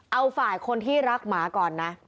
เอาฝ่ายคนที่รักหมาก่อนนะ